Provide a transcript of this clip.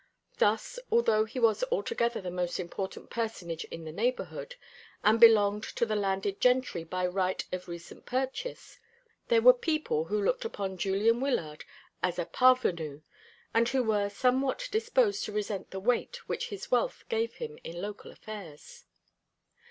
Thus, although he was altogether the most important personage in the neighbourhood, and belonged to the landed gentry by right of recent purchase, there were people who looked upon Julian Wyllard as a parvenu, and who were somewhat disposed to resent the weight which his wealth gave him in local affairs.